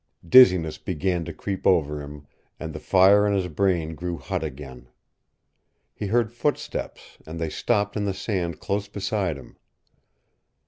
Dizziness began to creep over him, and the fire in his brain grew hot again. He heard footsteps, and they stopped in the sand close beside him.